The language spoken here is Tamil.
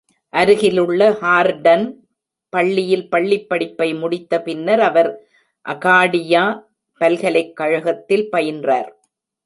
அருகிலுள்ள ஹார்டன் பள்ளியில் பள்ளிப்படிப்பை முடித்த பின்னர் அவர் அகாடியா பல்கலைக்கழகத்தில் பயின்றார்.